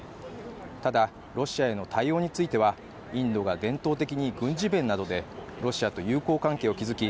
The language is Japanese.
ただロシアへの対応についてはインドが伝統的に軍事面などでロシアと友好関係を築き